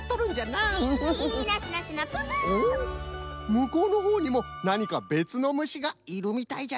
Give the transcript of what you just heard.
むこうのほうにもなにかべつのむしがいるみたいじゃぞ。